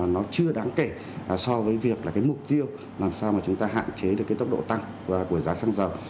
nó chưa đáng kể so với việc là cái mục tiêu làm sao mà chúng ta hạn chế được cái tốc độ tăng của giá xăng dầu